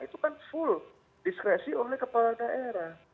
itu kan full diskresi oleh kepala daerah